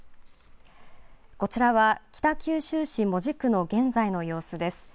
こちらは北九州市門司区の現在の様子です。